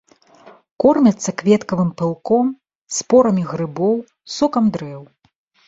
Кормяцца кветкавым пылком, спорамі грыбоў, сокам дрэў.